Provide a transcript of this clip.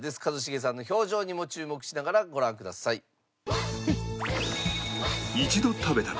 一茂さんの表情にも注目しながらご覧ください。